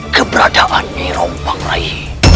keberadaan nyi rompang rai